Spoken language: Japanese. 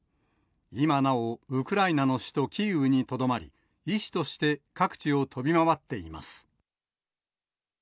今なお、ウクライナの首都キーウにとどまり、医師として各地を飛び回っています。